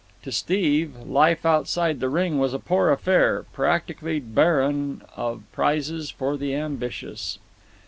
To Steve life outside the ring was a poor affair, practically barren of prizes for the ambitious.